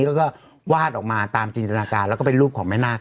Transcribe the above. แล้วก็วาดออกมาตามจินตนาการแล้วก็เป็นรูปของแม่นาค